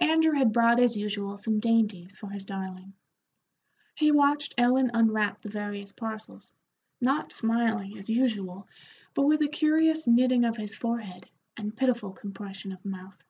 Andrew had brought as usual some dainties for his darling. He watched Ellen unwrap the various parcels, not smiling as usual, but with a curious knitting of his forehead and pitiful compression of mouth.